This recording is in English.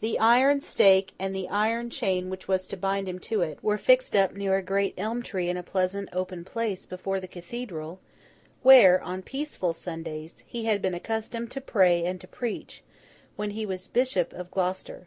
The iron stake, and the iron chain which was to bind him to it, were fixed up near a great elm tree in a pleasant open place before the cathedral, where, on peaceful Sundays, he had been accustomed to preach and to pray, when he was bishop of Gloucester.